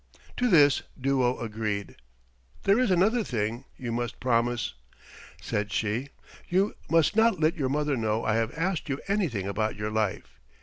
To this Duo agreed. "There is another thing you must promise," said she. "You must not let your mother know I have asked you anything about your life.